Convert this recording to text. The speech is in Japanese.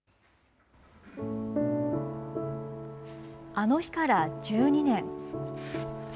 あの日から１２年。